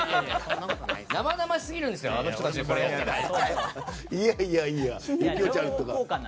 生々しすぎるんですよいやいや。